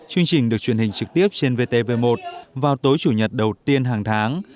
chương trình được truyền hình trực tiếp trên vtv một vào tối chủ nhật đầu tiên hàng tháng